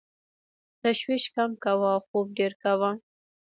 تشویش کم کوه او خوب ډېر کوه .